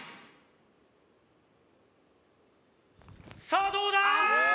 さあどうだ？